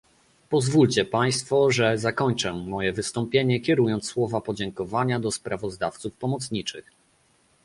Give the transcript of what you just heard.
Pozwólcie państwo, że zakończę moje wystąpienie kierując słowa podziękowania do sprawozdawców pomocniczych